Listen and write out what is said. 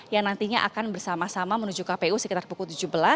yang nantinya akan bersama sama menuju kpu sekitar pukul tujuh belas